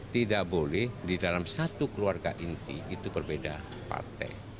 tidak boleh di dalam satu keluarga inti itu berbeda partai